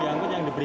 kita harus mencari